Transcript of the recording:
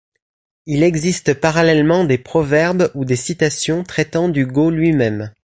Il existe parallèlement des proverbes ou des citations traitant du go lui-même.